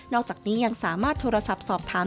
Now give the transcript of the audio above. อกจากนี้ยังสามารถโทรศัพท์สอบถาม